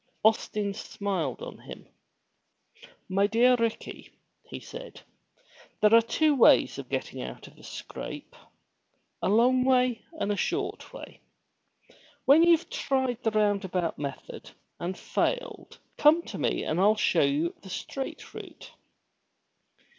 Austin smiled on him. "My dear Ricky,'* said he, there are two ways of getting out of a scrape, — a long way and a short way. When youVe tried the roundabout method and failed come to me and Fll show you the straight route."